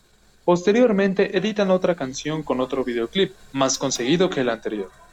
Posteriormente editan otra canción con otro videoclip, más conseguido que el anterior.